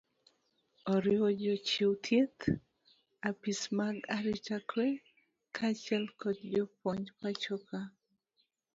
oriwo jochiw thieth ,apisas mag arita kwee kaachiel kod jopuony pacho ka